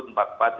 oke pak susanto